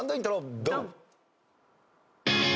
ドン！